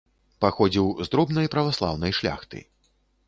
Паходзіў з дробнай праваслаўнай шляхты.